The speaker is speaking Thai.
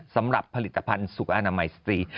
สำหรับผลิตภัณฑ์สุขอนามัยสตรี